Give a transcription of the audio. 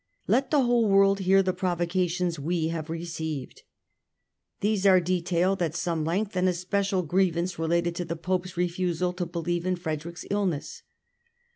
Let the whole earth hear the provo cations we have received." These are detailed at some length and a special grievance related in the Pope's refusal to believe in Frederick's illness.